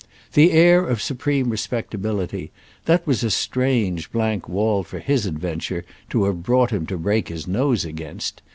The air of supreme respectability—that was a strange blank wall for his adventure to have brought him to break his nose against.